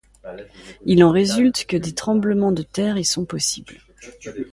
Il en résulte que des tremblements de terre y sont possibles.